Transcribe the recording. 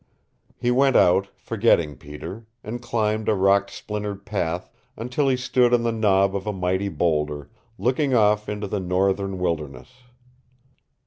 He went out, forgetting Peter, and climbed a rock splintered path until he stood on the knob of a mighty boulder, looking off into the northern wilderness.